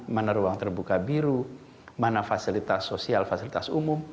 mana ruang terbuka biru mana fasilitas sosial fasilitas umum